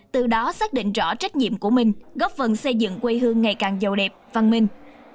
từ đó xác định rõ trách nhiệm của mình góp phần xây dựng quê hương ngày càng giàu đẹp văn minh